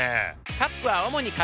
カップは主に紙。